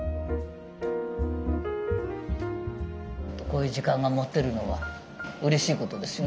こういう時間が持てるのはうれしいことですよね。